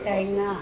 あ！